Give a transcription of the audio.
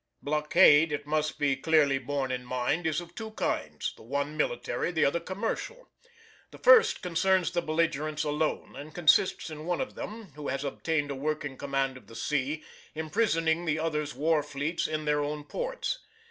Blockade, it must be clearly borne in mind, is of two kinds, the one military, the other commercial. The first concerns the belligerents alone, and consists in one of them, who has obtained a working command of the sea, imprisoning the other's war fleets in their own ports.